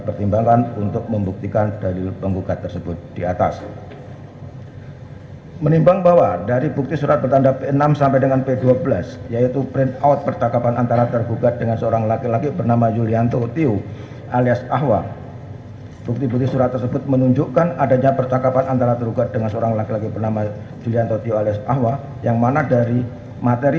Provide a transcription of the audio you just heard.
pertama penggugat akan menerjakan waktu yang cukup untuk menerjakan si anak anak tersebut yang telah menjadi ilustrasi